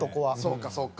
そうかそうか。